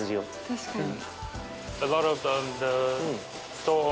確かに。